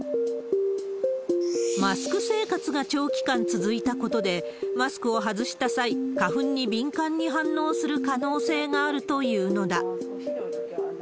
マスク生活が長期間続いたことで、マスクを外した際、花粉に敏感に反応する可能性があるというのだ。